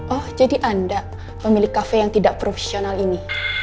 oh jadi anda pemilik kafe yang tidak profesional ini